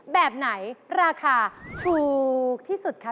ขอบคุณครับพี่ดาร์